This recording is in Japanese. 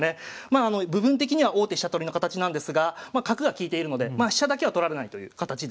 部分的には王手飛車取りの形なんですが角が利いているのでまあ飛車だけは取られないという形です。